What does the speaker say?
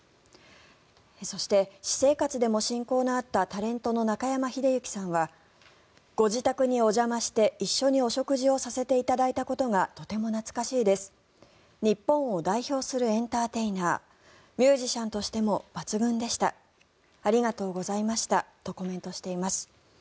そして、私生活でも親交のあったタレントの中山秀征さんはご自宅にお邪魔して一緒にお食事をさせていただいたことがとても懐かしいです日本を代表するエンターテイナーミュージシャンとしても抜群でしたありがとうございましたとコメントしています。